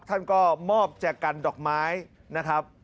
ท่านก็มอบแจกกันดอกไม้นะครับ